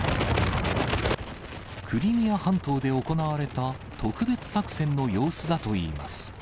クリミア半島で行われた特別作戦の様子だといいます。